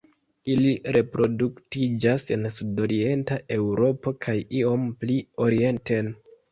Ili reproduktiĝas en sudorienta Eŭropo kaj iom pli orienten.